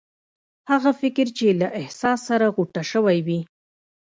هغه فکر چې له احساس سره غوټه شوی وي.